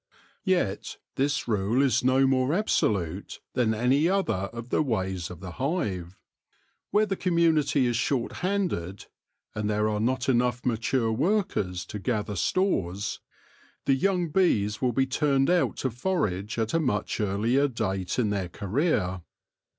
Yet this rule is no more absolute than any other of the ways of the hive. Where the community is short handed, and there are not enough mature workers to gather stores, the young bees will be turned out to forage at a much earlier date in their career.